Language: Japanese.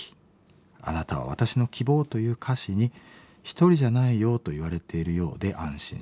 あなたは私の希望』という歌詞に１人じゃないよと言われているようで安心します。